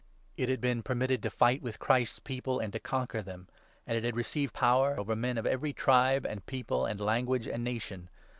It had been permitted to fight with Christ's People and to 7 conquer them, and it had received power over men of every tribe, and people, and language, and nation.